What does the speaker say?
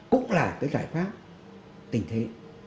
cũng là cái giải pháp tình thế